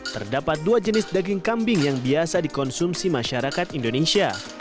terdapat dua jenis daging kambing yang biasa dikonsumsi masyarakat indonesia